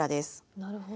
なるほど。